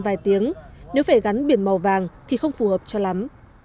vài tiếng nếu phải gắn biển màu vàng thì không phù hợp cho lắm